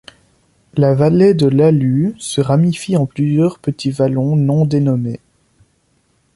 La vallée de l'Hallue se ramifie en plusieurs petits vallons non dénommés.